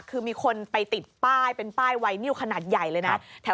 คือมีคนไปติดป้ายเป็นป้ายไวนิวขนาดใหญ่เลยนะ